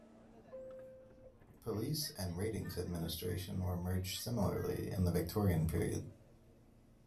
Police and ratings administration were merged similarly in the Victorian period.